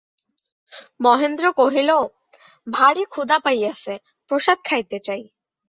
মহেন্দ্র কহিল, ভারি ক্ষুধা পাইয়াছে, প্রসাদ খাইতে চাই।